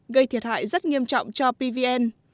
gây thiệt hại rất nghiêm trọng cho pvn